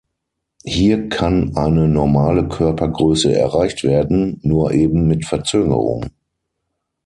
Hier kann eine normale Körpergröße erreicht werden, nur eben mit Verzögerung.